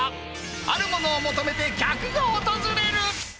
あるものを求めて客が訪れる。